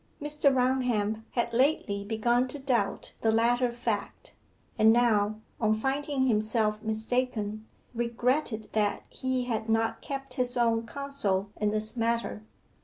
Mr. Raunham had lately begun to doubt the latter fact, and now, on finding himself mistaken, regretted that he had not kept his own counsel in the matter.